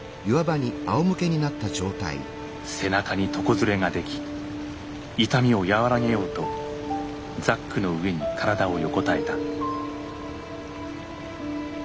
背中に床擦れができ痛みを和らげようとザックの上に体を横たえた。